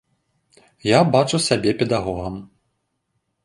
Я бачу сябе педагогам.